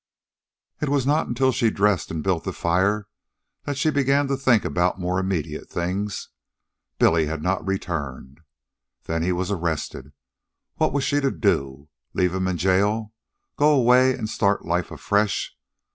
It was not until she dressed and built the fire that she began to think about more immediate things. Billy had not returned. Then he was arrested. What was she to do? leave him in jail, go away, and start life afresh?